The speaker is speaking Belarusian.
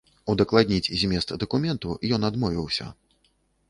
Удакладніць змест дакументу ён адмовіўся.